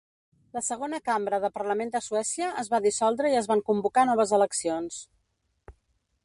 La segona cambra de Parlament de Suècia es va dissoldre i es van convocar noves eleccions.